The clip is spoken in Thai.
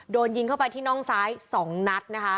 โดนยิงเข้าไปที่น่องซ้าย๒นัดนะคะ